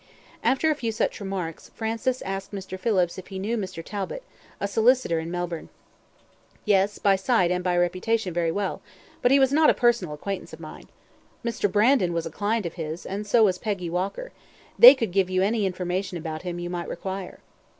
After a few such remarks, Francis asked Mr. Phillips if he knew Mr. Talbot, a solicitor in Melbourne. "Yes, by sight and by reputation very well; but he was not a personal acquaintance of mine. Mr. Brandon was a client of his, and so was Peggy Walker; they could give you any information about him you might require."